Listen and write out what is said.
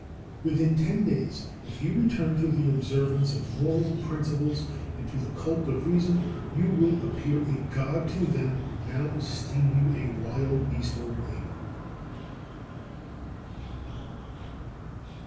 16. Within ten days, if you return to the observance of moral principles and to the cult of reason, you will appear a God to them who now esteem you a wild beast or an ape.